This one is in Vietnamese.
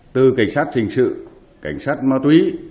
từ cảnh sát trình sự cảnh sát ma túy